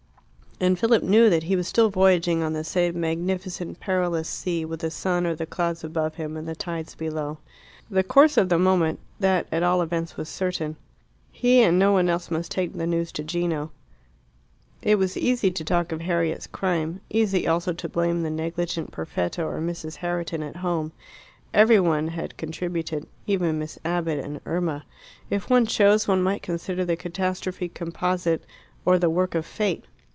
And Philip knew that he was still voyaging on the same magnificent, perilous sea, with the sun or the clouds above him, and the tides below. The course of the moment that, at all events, was certain. He and no one else must take the news to Gino. It was easy to talk of Harriet's crime easy also to blame the negligent Perfetta or Mrs. Herriton at home. Every one had contributed even Miss Abbott and Irma. If one chose, one might consider the catastrophe composite or the work of fate.